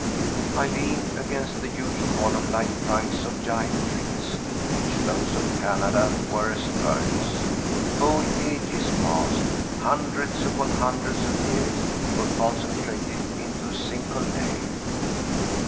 I leaned against the huge column like trunks of giant trees, to which those of Canada were as ferns. Whole ages passed, hundreds upon hundreds of years were concentrated into a single day.